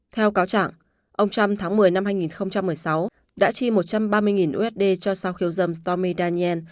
theo cáo chẳng ông trump tháng một mươi năm hai nghìn một mươi sáu đã chi một trăm ba mươi usd cho sao khiếu dâm stormy daniel